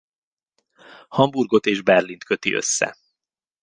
Hamburgot és Berlint köti össze.